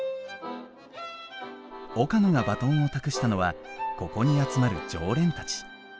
岡野がバトンを託したのはここに集まる常連たち。